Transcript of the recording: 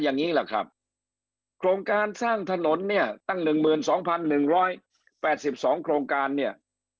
อย่างนี้แหละครับโครงการสร้างถนนเนี่ยตั้ง๑๒๑๘๒โครงการเนี่ย